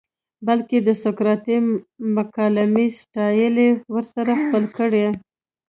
بلکه د سقراطی مکالمې سټائل ئې ورسره خپل کړۀ